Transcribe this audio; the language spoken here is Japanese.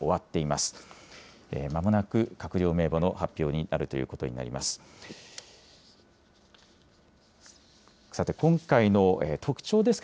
まもなく閣僚名簿の発表になるということになります。